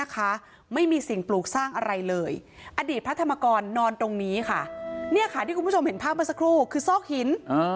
คุณผู้ชมเห็นภาพมาสักครู่คือซอกหิน